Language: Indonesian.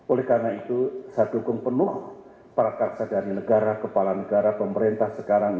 oleh karena itu saya dukung penuh para karsa dari negara kepala negara pemerintah sekarang